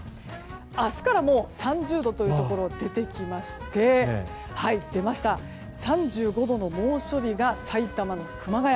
明日からもう３０度というところ出てきまして出ました、３５度以上の猛暑日が埼玉の熊谷。